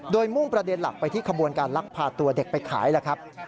โดยมุ่งประเด็นหลักไปที่ขบวนการลักพาตัวเด็กไปขายแล้วครับ